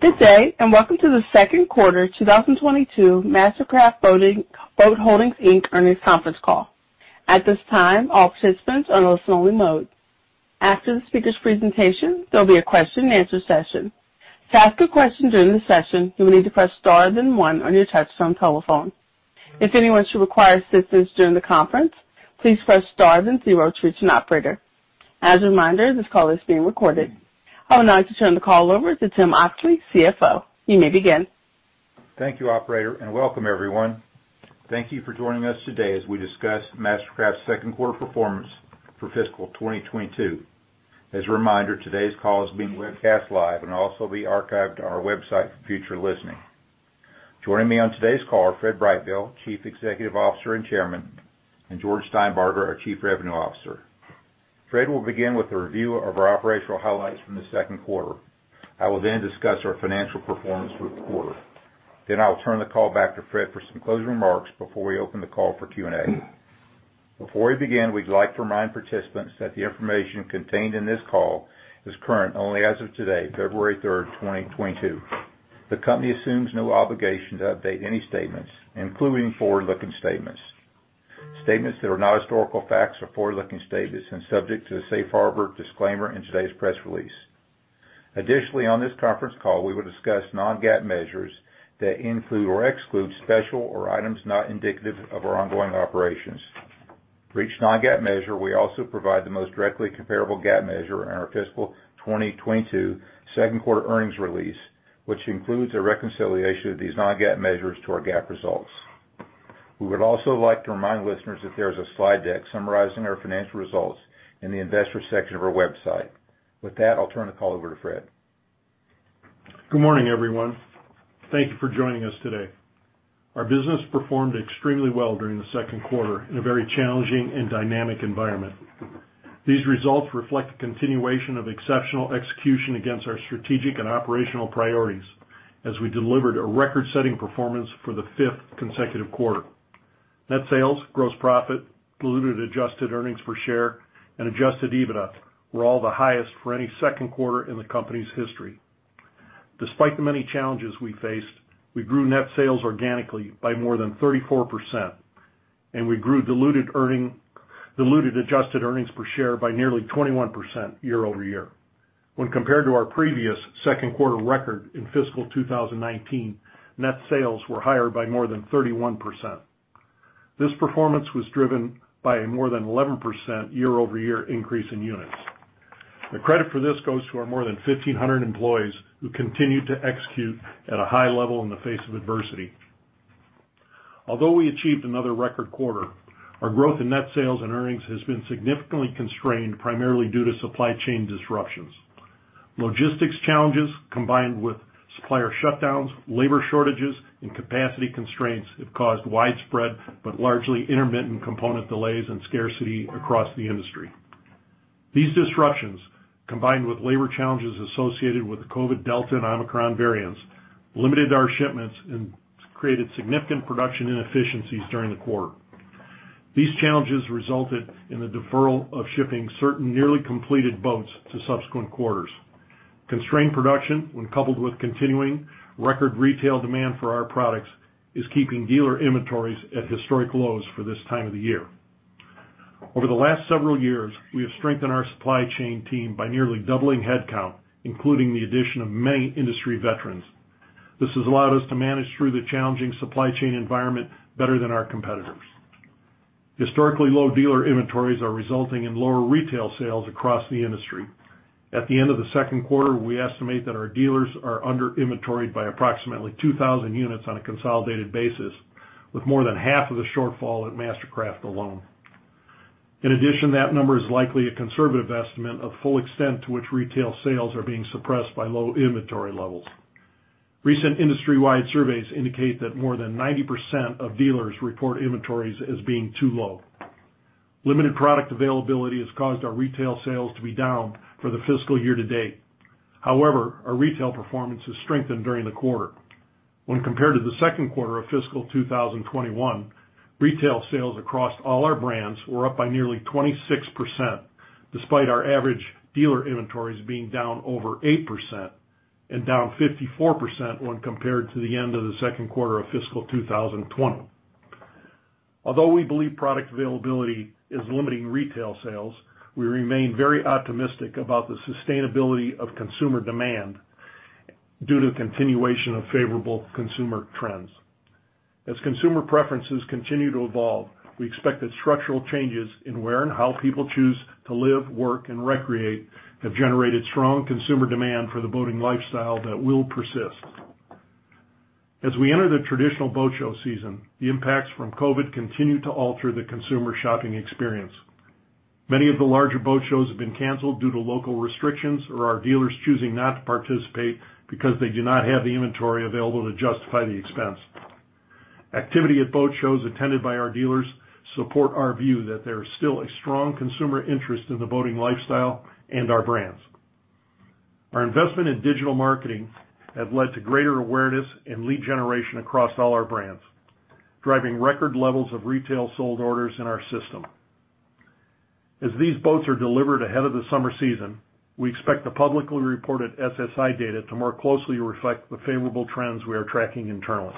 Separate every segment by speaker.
Speaker 1: Good day, and welcome to Q2 2022 MasterCraft Boat Holdings, Inc. earnings Conference Call. At this time, all participants are in listen only mode. After the speaker's presentation, there'll be a question and answer session. To ask a question during the session, you will need to press star then one on your touchtone telephone. If anyone should require assistance during the conference, please press star then zero to reach an operator. As a reminder, this call is being recorded. I would now like to turn the call over to Tim Oxley, CFO. You may begin.
Speaker 2: Thank you, operator, and welcome, everyone. Thank you for joining us today as we discuss MasterCraft's Q2 performance for fiscal 2022. As a reminder, today's call is being webcast live and will also be archived on our website for future listening. Joining me on today's call are Fred Brightbill, Chief Executive Officer and Chairman, and George Steinbarger, our Chief Revenue Officer. Fred will begin with a review of our operational highlights from Q2. I will then discuss our financial performance for the quarter. I will turn the call back to Fred for some closing remarks before we open the call for Q&A. Before we begin, we'd like to remind participants that the information contained in this call is current only as of today, February 3, 2022. The company assumes no obligation to update any statements, including forward-looking statements. Statements that are not historical facts are forward-looking statements and subject to the safe harbor disclaimer in today's press release. Additionally, on this Conference Call, we will discuss non-GAAP measures that include or exclude special items or items not indicative of our ongoing operations. For each non-GAAP measure, we also provide the most directly comparable GAAP measure in our fiscal 2022 Q2 Earnings release, which includes a reconciliation of these non-GAAP measures to our GAAP results. We would also like to remind listeners that there is a slide deck summarizing our financial results in the investor section of our website. With that, I'll turn the call over to Fred.
Speaker 3: Good morning, everyone. Thank you for joining us today. Our business performed extremely well during Q2 in a very challenging and dynamic environment. These results reflect the continuation of exceptional execution against our strategic and operational priorities as we delivered a record-setting performance for the fifth consecutive quarter. Net sales, gross profit, diluted adjusted earnings per share, and adjusted EBITDA were all the highest for any Q2 in the company's history. Despite the many challenges we faced, we grew net sales organically by more than 34%, and we grew diluted adjusted earnings per share by nearly 21% year-over-year. When compared to our previous Q2 record in fiscal 2019, net sales were higher by more than 31%. This performance was driven by a more than 11% year-over-year increase in units. The credit for this goes to our more than 1,500 employees who continue to execute at a high-level in the face of adversity. Although we achieved another record quarter, our growth in net sales and earnings has been significantly constrained primarily due to supply chain disruptions. Logistics challenges, combined with supplier shutdowns, labor shortages, and capacity constraints, have caused widespread but largely intermittent component delays and scarcity across the industry. These disruptions, combined with labor challenges associated with the COVID Delta and Omicron variants, limited our shipments and created significant production inefficiencies during the quarter. These challenges resulted in the deferral of shipping certain nearly completed boats to subsequent quarters. Constrained production, when coupled with continuing record retail demand for our products, is keeping dealer inventories at historic lows for this time of the year. Over the last several years, we have strengthened our supply chain team by nearly doubling headcount, including the addition of many industry veterans. This has allowed us to manage through the challenging supply chain environment better than our competitors. Historically low-dealer inventories are resulting in lower retail sales across the industry. At the end of Q2, we estimate that our dealers are under inventoried by approximately 2,000 units on a consolidated basis, with more than half of the shortfall at MasterCraft alone. In addition, that number is likely a conservative estimate of full extent to which retail sales are being suppressed by low-inventory levels. Recent industry-wide surveys indicate that more than 90% of dealers report inventories as being too low. Limited product availability has caused our retail sales to be down for the fiscal year to date. However, our retail performance has strengthened during the quarter. When compared to Q2 of fiscal 2021, retail sales across all our brands were up by nearly 26%, despite our average dealer inventories being down over 8% and down 54% when compared to the end of Q2 of fiscal 2020. Although we believe product availability is limiting retail sales, we remain very optimistic about the sustainability of consumer demand due to the continuation of favorable consumer trends. As consumer preferences continue to evolve, we expect that structural changes in where and how people choose to live, work, and recreate have generated strong consumer demand for the boating lifestyle that will persist. As we enter the traditional boat show season, the impacts from COVID continue to alter the consumer shopping experience. Many of the larger boat shows have been canceled due to local restrictions or our dealers choosing not to participate because they do not have the inventory available to justify the expense. Activity at boat shows attended by our dealers support our view that there is still a strong consumer interest in the boating lifestyle and our brands. Our investment in digital marketing have led to greater awareness and lead generation across all our brands, driving record levels of retail sold orders in our system. As these boats are delivered ahead of the summer season, we expect the publicly reported SSI data to more closely reflect the favorable trends we are tracking internally.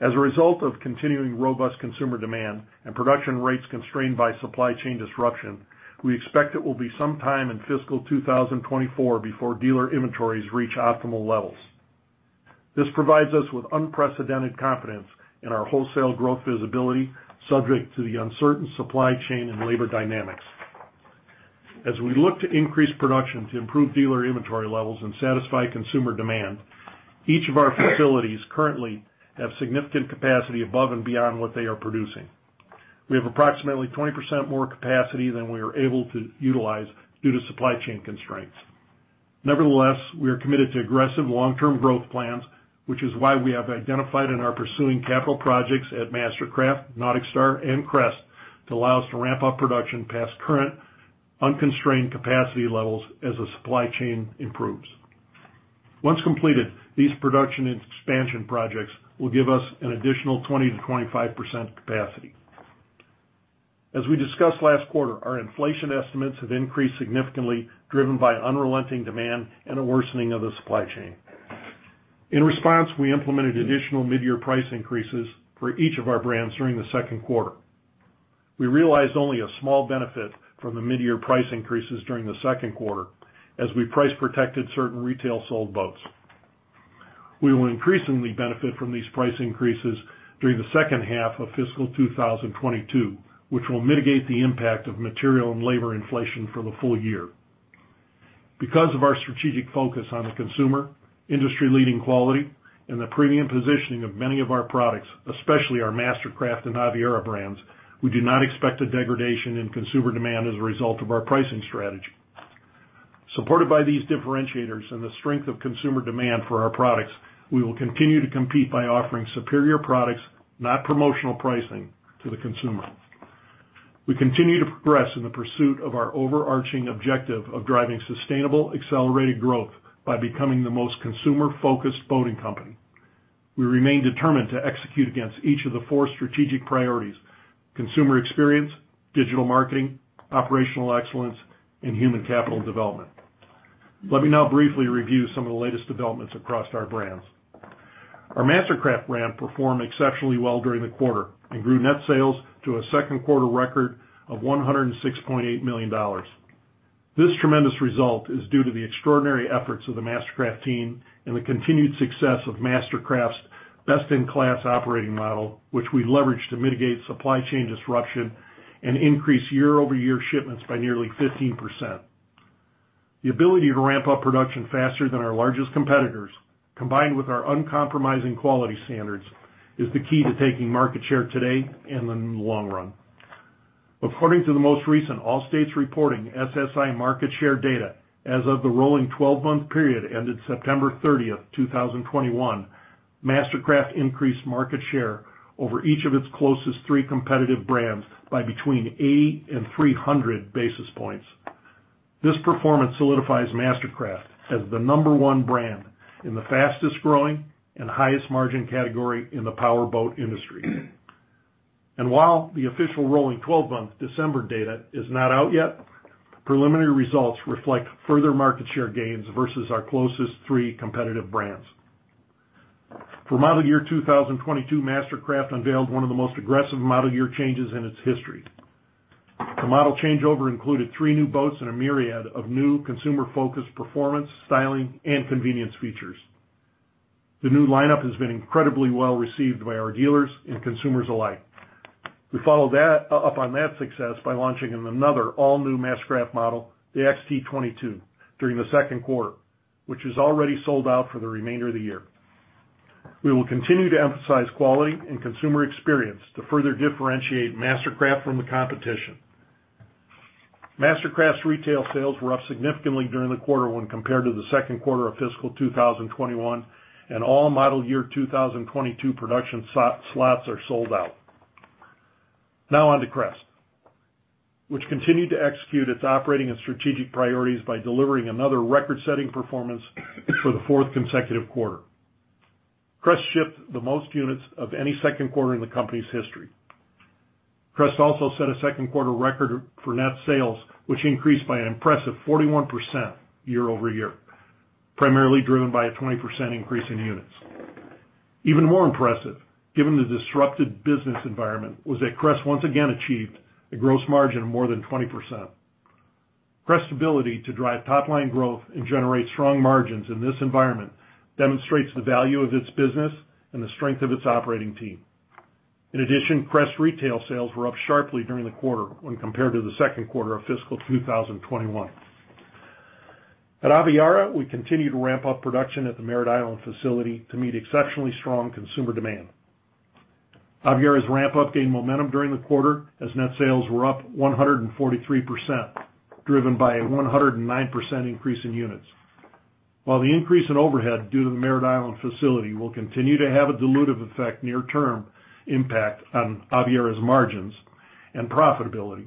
Speaker 3: As a result of continuing robust consumer demand and production rates constrained by supply chain disruption, we expect it will be sometime in fiscal 2024 before dealer inventories reach optimal levels. This provides us with unprecedented confidence in our wholesale growth visibility subject to the uncertain supply chain and labor dynamics. As we look to increase production to improve dealer inventory levels and satisfy consumer demand, each of our facilities currently have significant capacity above and beyond what they are producing. We have approximately 20% more capacity than we are able to utilize due to supply chain constraints. Nevertheless, we are committed to aggressive long-term growth plans, which is why we have identified and are pursuing capital projects at MasterCraft, NauticStar, and Crest to allow us to ramp up production past current unconstrained capacity levels as the supply chain improves. Once completed, these production and expansion projects will give us an additional 20%-25% capacity. As we discussed last quarter, our inflation estimates have increased significantly, driven by unrelenting demand and a worsening of the supply chain. In response, we implemented additional midyear price increases for each of our brands during Q2. We realized only a small benefit from the midyear price increases during Q2 as we price protected certain retail sold boats. We will increasingly benefit from these price increases during the second half of fiscal 2022, which will mitigate the impact of material and labor inflation for the full-year. Because of our strategic focus on the consumer, industry-leading quality, and the premium positioning of many of our products, especially our MasterCraft and Aviara brands, we do not expect a degradation in consumer demand as a result of our pricing strategy. Supported by these differentiators and the strength of consumer demand for our products, we will continue to compete by offering superior products, not promotional pricing, to the consumer. We continue to progress in the pursuit of our overarching objective of driving sustainable, accelerated growth by becoming the most consumer-focused boating company. We remain determined to execute against each of the four strategic priorities, consumer experience, digital marketing, operational excellence, and human capital development. Let me now briefly review some of the latest developments across our brands. Our MasterCraft brand performed exceptionally well during the quarter and grew net sales to a Q2 record of $106.8 million. This tremendous result is due to the extraordinary efforts of the MasterCraft team and the continued success of MasterCraft's best-in-class operating model, which we leveraged to mitigate supply chain disruption and increase year-over-year shipments by nearly 15%. The ability to ramp up production faster than our largest competitors, combined with our uncompromising quality standards, is the key to taking market share today and in the long run. According to the most recent SSI market share data as of the rolling twelve-month period ended September 30, 2021, MasterCraft increased market share over each of its closest three competitive brands by between 80 and 300 basis points. This performance solidifies MasterCraft as the number one brand in the fastest-growing and highest margin category in the power boat industry. While the official rolling twelve-month December data is not out yet, preliminary results reflect further market share gains versus our closest three competitive brands. For model year 2022, MasterCraft unveiled one of the most aggressive model year changes in its history. The model changeover included three new boats and a myriad of new consumer-focused performance, styling, and convenience features. The new lineup has been incredibly well-received by our dealers and consumers alike. We followed up on that success by launching another all-new MasterCraft model, the XT22, during Q2, which is already sold out for the remainder of the year. We will continue to emphasize quality and consumer experience to further differentiate MasterCraft from the competition. MasterCraft's retail sales were up significantly during the quarter when compared to Q2 of fiscal 2021, and all model year 2022 production slots are sold out. Now on to Crest, which continued to execute its operating and strategic priorities by delivering another record-setting performance for the fourth consecutive quarter. Crest shipped the most units of any Q2 in the company's history. Crest also set a Q2 record for net sales, which increased by an impressive 41% year-over-year, primarily driven by a 20% increase in units. Even more impressive, given the disrupted business environment, was that Crest once again achieved a gross margin of more than 20%. Crest's ability to drive top-line growth and generate strong margins in this environment demonstrates the value of its business and the strength of its operating team. In addition, Crest retail sales were up sharply during the quarter when compared to Q2r of fiscal 2021. At Aviara, we continue to ramp up production at the Merritt Island facility to meet exceptionally strong consumer demand. Aviara's ramp up gained momentum during the quarter as net sales were up 143%, driven by a 109% increase in units. While the increase in overhead due to the Merritt Island facility will continue to have a dilutive effect near term impact on Aviara's margins and profitability,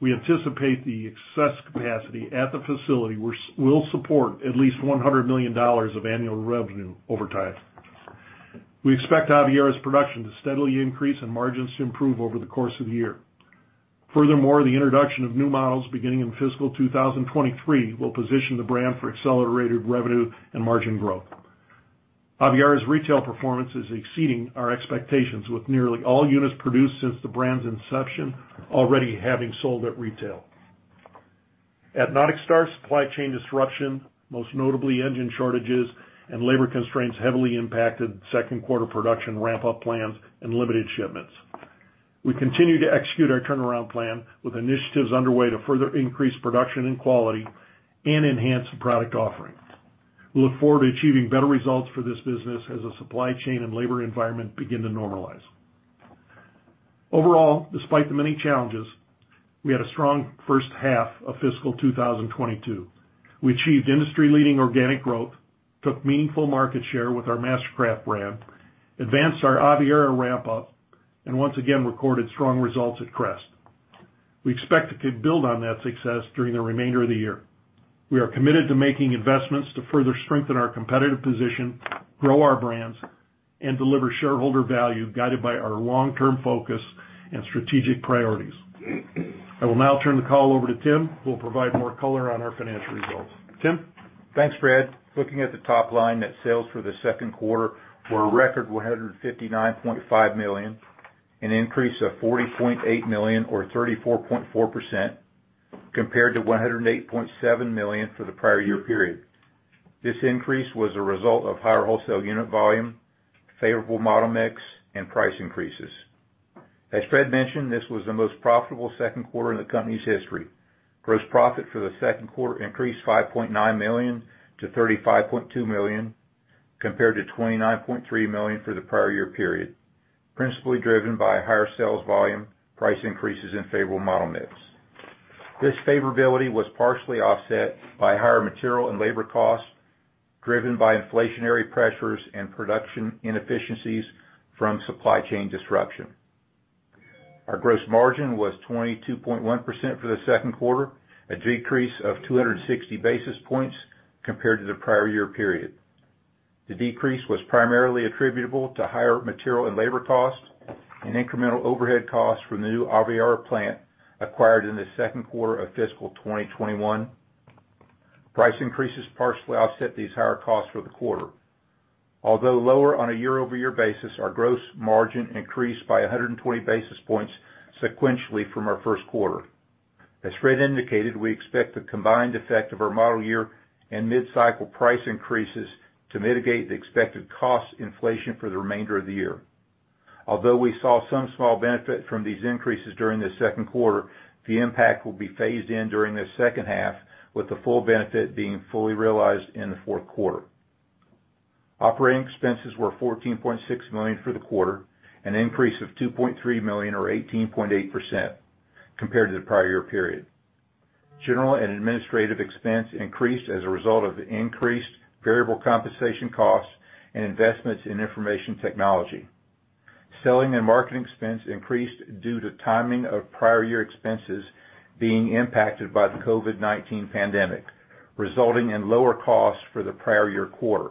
Speaker 3: we anticipate the excess capacity at the facility will support at least $100 million of annual revenue over time. We expect Aviara's production to steadily increase and margins to improve over the course of the year. Furthermore, the introduction of new models beginning in fiscal 2023 will position the brand for accelerated revenue and margin growth. Aviara's retail performance is exceeding our expectations, with nearly all units produced since the brand's inception already having sold at retail. At NauticStar, supply chain disruption, most notably engine shortages and labor constraints, heavily impacted Q2 production ramp-up plans and limited shipments. We continue to execute our turnaround plan, with initiatives underway to further increase production and quality and enhance the product offering. We look forward to achieving better results for this business as the supply chain and labor environment begin to normalize. Overall, despite the many challenges, we had a strong first half of fiscal 2022. We achieved industry-leading organic growth, took meaningful market share with our MasterCraft brand, advanced our Aviara ramp-up, and once again recorded strong results at Crest. We expect to build on that success during the remainder of the year. We are committed to making investments to further strengthen our competitive position, grow our brands, and deliver shareholder value, guided by our long-term focus and strategic priorities. I will now turn the call over to Tim, who will provide more color on our financial results. Tim?
Speaker 2: Thanks, Fred. Looking at the top-line, net sales for Q2 were a record $159.5 million, an increase of $40.8 million or 34.4% compared to $108.7 million for the prior year period. This increase was a result of higher wholesale unit volume, favorable model mix, and price increases. As Fred mentioned, this was the most profitable Q2 in the company's history. Gross profit for Q2 increased $5.9 million to $35.2 million compared to $29.3 million for the prior year period, principally driven by higher sales volume, price increases, and favorable model mix. This favorability was partially offset by higher material and labor costs, driven by inflationary pressures and production inefficiencies from supply chain disruption. Our gross margin was 22.1% for Q2, a decrease of 260 basis points compared to the prior year period. The decrease was primarily attributable to higher material and labor costs and incremental overhead costs from the new Aviara plant acquired in Q2 of fiscal 2021. Price increases partially offset these higher costs for the quarter. Although lower on a year-over-year basis, our gross margin increased by 120 basis points sequentially from our Q1. As Fred indicated, we expect the combined effect of our model year and mid-cycle price increases to mitigate the expected cost inflation for the remainder of the year. Although we saw some small benefit from these increases during Q2, the impact will be phased in during the second half, with the full benefit being fully realized in Q4. Operating expenses were $14.6 million for the quarter, an increase of $2.3 million or 18.8% compared to the prior year period. General and administrative expense increased as a result of the increased variable compensation costs and investments in information technology. Selling and marketing expense increased due to timing of prior year expenses being impacted by the COVID-19 pandemic, resulting in lower costs for the prior year quarter.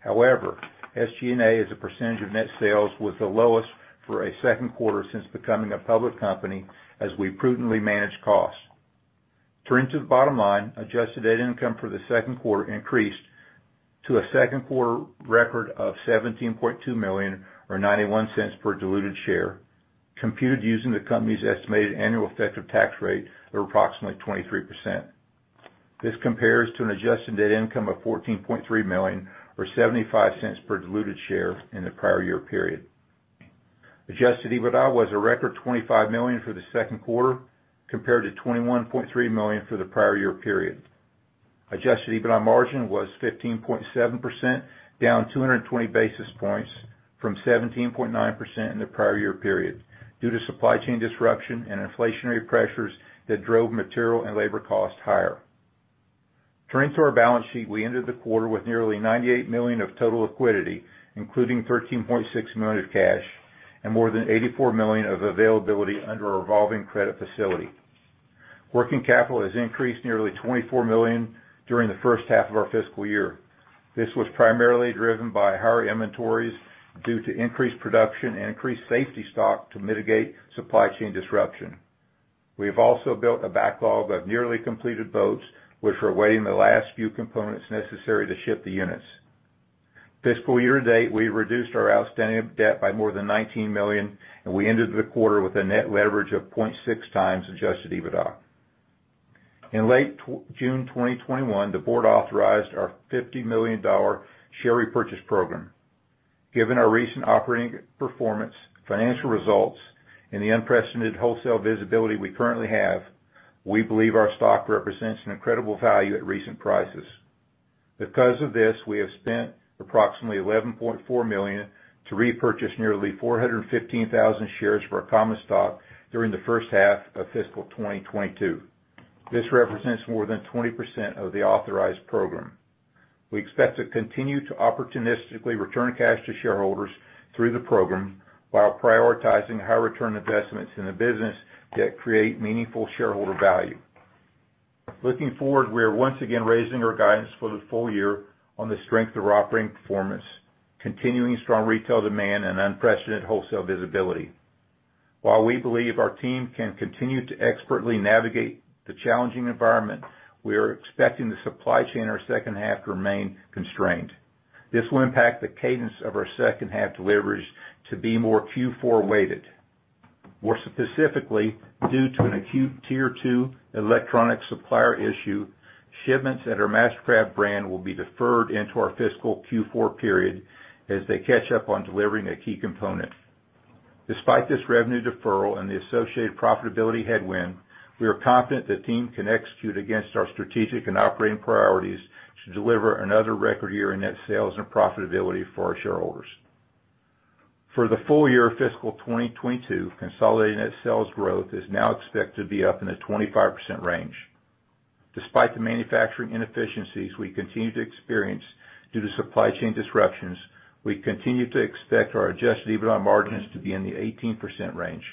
Speaker 2: However, SG&A as a percentage of net sales was the lowest for a Q2 since becoming a public company as we prudently managed costs. Turning to the bottom-line, adjusted net income for Q2 increased to a Q2 record of $17.2 million or $0.91 per diluted share, computed using the company's estimated annual effective tax rate of approximately 23%. This compares to an adjusted net income of $14.3 million or $0.75 per diluted share in the prior year period. Adjusted EBITDA was a record $25 million for Q2 compared to $21.3 million for the prior year period. Adjusted EBITDA margin was 15.7%, down 220 basis points from 17.9% in the prior year period due to supply chain disruption and inflationary pressures that drove material and labor costs higher. Turning to our balance sheet, we ended the quarter with nearly $98 million of total liquidity, including $13.6 million of cash and more than $84 million of availability under a revolving credit facility. Working capital has increased nearly $24 million during the first half of our fiscal year. This was primarily driven by higher inventories due to increased production and increased safety stock to mitigate supply chain disruption. We have also built a backlog of nearly completed boats which are awaiting the last few components necessary to ship the units. Fiscal year to date, we reduced our outstanding debt by more than $19 million, and we ended the quarter with a net leverage of 0.6 times adjusted EBITDA. In late June 2021, the board authorized our $50 million share repurchase program. Given our recent operating performance, financial results, and the unprecedented wholesale visibility we currently have, we believe our stock represents an incredible value at recent prices. Because of this, we have spent approximately $11.4 million to repurchase nearly 415,000 shares of our common stock during the first half of fiscal 2022. This represents more than 20% of the authorized program. We expect to continue to opportunistically return cash to shareholders through the program while prioritizing high-return investments in the business that create meaningful shareholder value. Looking forward, we are once again raising our guidance for the full-year on the strength of operating performance, continuing strong retail demand and unprecedented wholesale visibility. While we believe our team can continue to expertly navigate the challenging environment, we are expecting the supply chain in our second half to remain constrained. This will impact the cadence of our second half deliveries to be more Q4 weighted. More specifically, due to an acute tier two electronic supplier issue, shipments at our MasterCraft brand will be deferred into our fiscal Q4 period as they catch up on delivering a key component. Despite this revenue deferral and the associated profitability headwind, we are confident the team can execute against our strategic and operating priorities to deliver another record year in net sales and profitability for our shareholders. For the full-year of fiscal 2022, consolidated net sales growth is now expected to be up in the 25% range. Despite the manufacturing inefficiencies we continue to experience due to supply chain disruptions, we continue to expect our adjusted EBITDA margins to be in the 18% range.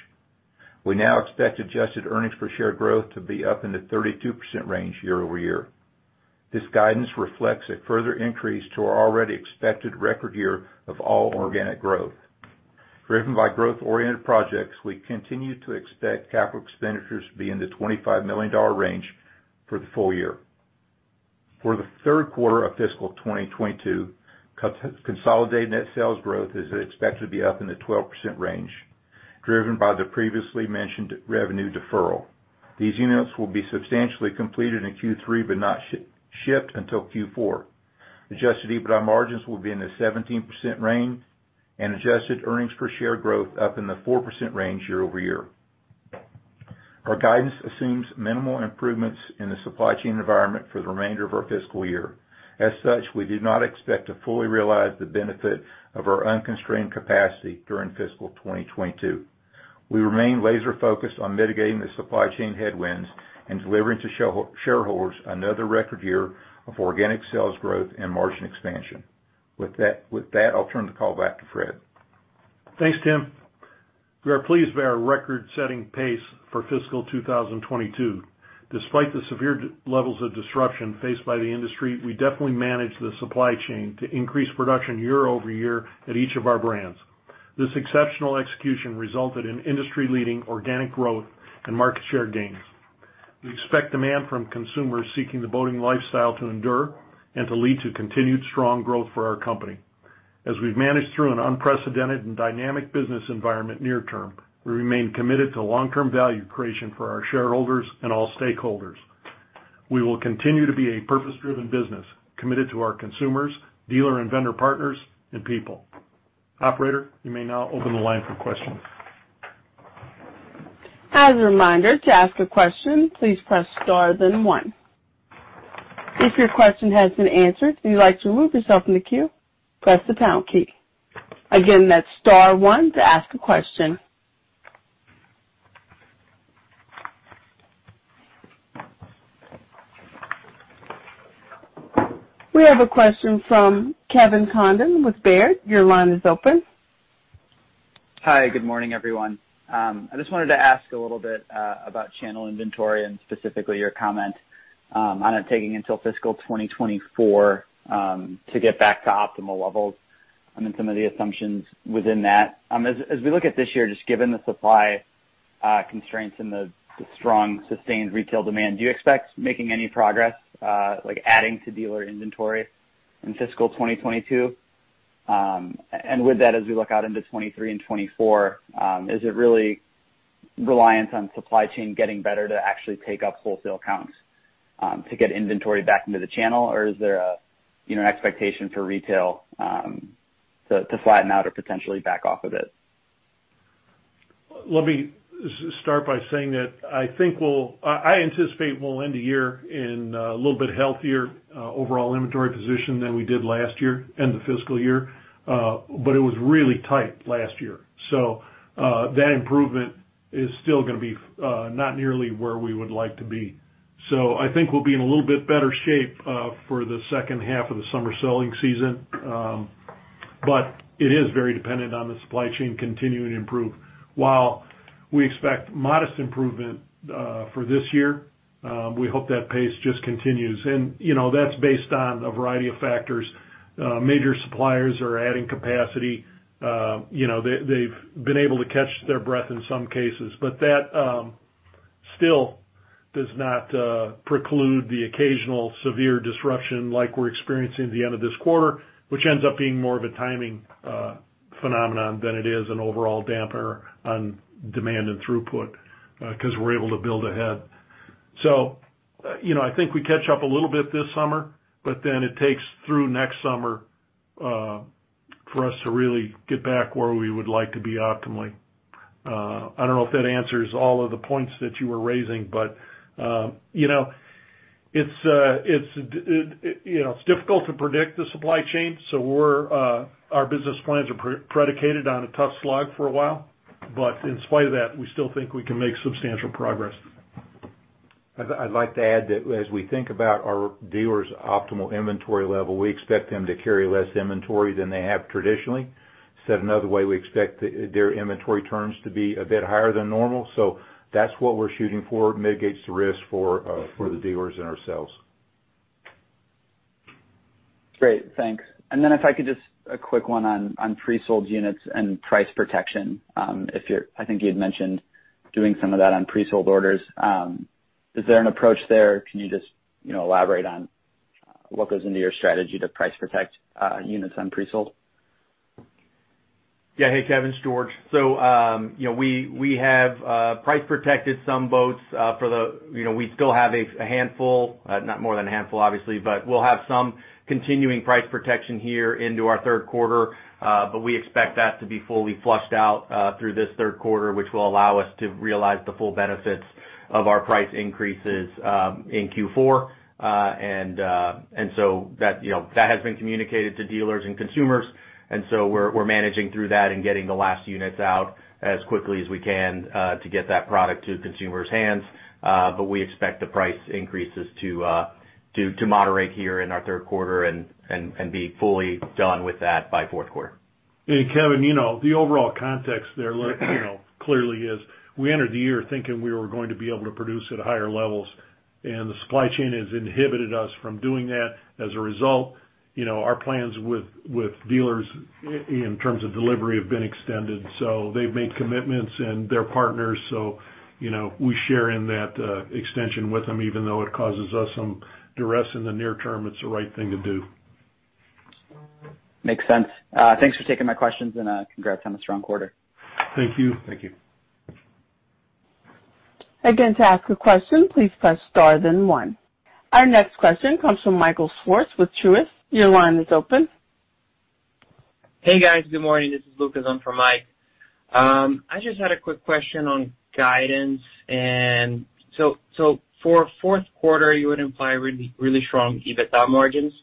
Speaker 2: We now expect adjusted earnings per share growth to be up in the 32% range year-over-year. This guidance reflects a further increase to our already expected record year of all organic growth. Driven by growth-oriented projects, we continue to expect capital expenditures to be in the $25 million range for the full year. For Q3 of fiscal 2022, consolidated net sales growth is expected to be up in the 12% range, driven by the previously mentioned revenue deferral. These units will be substantially completed in Q3 but not shipped until Q4. Adjusted EBITDA margins will be in the 17% range and adjusted earnings per share growth up in the 4% range year-over-year. Our guidance assumes minimal improvements in the supply chain environment for the remainder of our fiscal year. As such, we do not expect to fully realize the benefit of our unconstrained capacity during fiscal 2022. We remain laser-focused on mitigating the supply chain headwinds and delivering to shareholders another record year of organic sales growth and margin expansion. With that, I'll turn the call back to Fred.
Speaker 3: Thanks, Tim. We are pleased by our record-setting pace for fiscal 2022. Despite the severe levels of disruption faced by the industry, we definitely managed the supply chain to increase production year-over-year at each of our brands. This exceptional execution resulted in industry-leading organic growth and market share gains. We expect demand from consumers seeking the boating lifestyle to endure and to lead to continued strong growth for our company. As we've managed through an unprecedented and dynamic business environment near term, we remain committed to long-term value creation for our shareholders and all stakeholders. We will continue to be a purpose-driven business, committed to our consumers, dealer and vendor partners, and people. Operator, you may now open the line for questions.
Speaker 1: As a reminder to ask a question press star then 1. II your question has been answered and you could like to remove from the queue press the down key and again star 1 to ask your question. We have a question from Craig Kennison with Baird. Your line is open.
Speaker 4: Hi. Good morning, everyone. I just wanted to ask a little bit about channel inventory and specifically your comment on it taking until fiscal 2024 to get back to optimal levels and then some of the assumptions within that. As we look at this year, just given the supply constraints and the strong sustained retail demand, do you expect making any progress like adding to dealer inventory in fiscal 2022? And with that, as we look out into 2023 and 2024, is it really reliant on supply chain getting better to actually take up wholesale counts to get inventory back into the channel? Or is there a you know expectation for retail to flatten out or potentially back off a bit?
Speaker 3: Let me start by saying that I think I anticipate we'll end the year in a little bit healthier overall inventory position than we did last year, end of fiscal year. It was really tight last year. That improvement is still gonna be not nearly where we would like to be. I think we'll be in a little bit better shape for the second half of the summer selling season, but it is very dependent on the supply chain continuing to improve. While we expect modest improvement for this year, we hope that pace just continues. You know, that's based on a variety of factors. Major suppliers are adding capacity. You know, they've been able to catch their breath in some cases. That still does not preclude the occasional severe disruption like we're experiencing at the end of this quarter, which ends up being more of a timing phenomenon than it is an overall damper on demand and throughput, 'cause we're able to build ahead. You know, I think we catch up a little bit this summer, but then it takes through next summer for us to really get back where we would like to be optimally. I don't know if that answers all of the points that you were raising. You know, it's difficult to predict the supply chain, so our business plans are predicated on a tough slog for a while. In spite of that, we still think we can make substantial progress.
Speaker 2: I'd like to add that as we think about our dealers' optimal inventory level, we expect them to carry less inventory than they have traditionally. Said another way, we expect their inventory turns to be a bit higher than normal. That's what we're shooting for. It mitigates the risk for the dealers and ourselves.
Speaker 4: Great, thanks. Then if I could just a quick one on pre-sold units and price protection. If you're—I think you had mentioned doing some of that on pre-sold orders. Is there an approach there? Can you just, you know, elaborate on what goes into your strategy to price protect units on pre-sold?
Speaker 5: Yeah. Hey, Craig, it's George. You know, we have price protected some boats for the. You know, we still have a handful, not more than a handful, obviously, but we'll have some continuing price protection here into our Q3. But we expect that to be fully flushed out through this Q3, which will allow us to realize the full benefits of our price increases in Q4. That has been communicated to dealers and consumers, and we're managing through that and getting the last units out as quickly as we can to get that product to consumers' hands. But we expect the price increases to moderate here in our Q3 and be fully done with that by Q4.
Speaker 3: Craig, you know, the overall context there, you know, clearly is we entered the year thinking we were going to be able to produce at higher levels, and the supply chain has inhibited us from doing that. As a result, you know, our plans with dealers in terms of delivery have been extended. They've made commitments, and they're partners, so, you know, we share in that extension with them, even though it causes us some duress in the near term, it's the right thing to do.
Speaker 4: Makes sense. Thanks for taking my questions and, congrats on a strong quarter.
Speaker 3: Thank you.
Speaker 5: Thank you.
Speaker 1: Again, to ask a question, please press star then one. Our next question comes from Michael Swartz with Truist. Your line is open.
Speaker 6: Hey, guys. Good morning. This is Lucas in for Mike. I just had a quick question on guidance. For Q4, you would imply really strong EBITDA margins.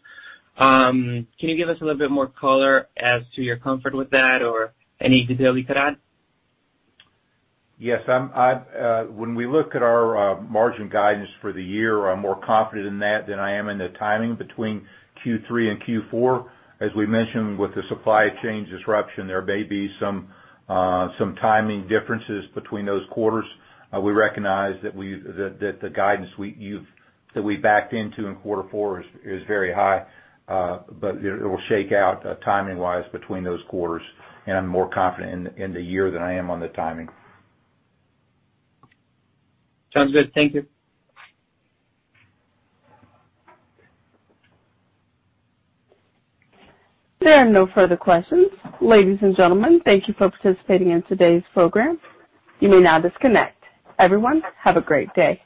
Speaker 6: Can you give us a little bit more color as to your comfort with that or any detail you could add?
Speaker 2: Yes. When we look at our margin guidance for the year, I'm more confident in that than I am in the timing between Q3 and Q4. As we mentioned, with the supply chain disruption, there may be some timing differences between those quarters. We recognize that the guidance we've backed into in quarter four is very high, but it will shake out timing-wise between those quarters, and I'm more confident in the year than I am on the timing.
Speaker 6: Sounds good. Thank you.
Speaker 1: There are no further questions. Ladies and gentlemen, thank you for participating in today's program. You may now disconnect. Everyone, have a great day.